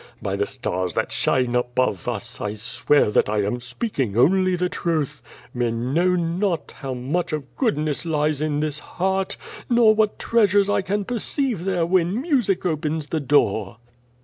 By the stars that shine above us, I swear that I am speaking only the truth, ifen know not how much of goodness lies in this heart, nor what treasures I can perceive there when mu sic opens the door."